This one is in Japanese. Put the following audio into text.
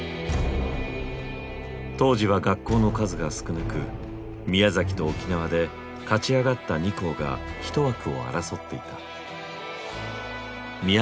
当時は学校の数が少なく宮崎と沖縄で勝ち上がった２校が一枠を争っていた。